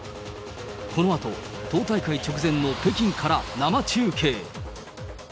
このあと、党大会直前の北京から生中継。